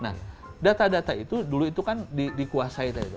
nah data data itu dulu itu kan dikuasai tadi